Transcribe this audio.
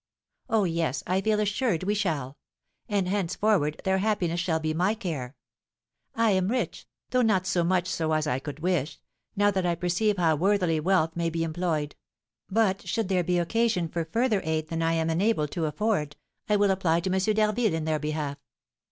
Oh, yes, I feel assured we shall, and henceforward their happiness shall be my care. I am rich, though not so much so as I could wish, now that I perceive how worthily wealth may be employed; but should there be occasion for further aid than I am enabled to afford, I will apply to M. d'Harville in their behalf.